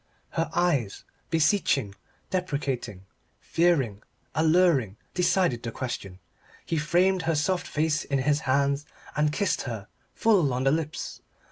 Her eyes, beseeching, deprecating, fearing, alluring, decided the question. He framed her soft face in his hands and kissed her, full on the lips.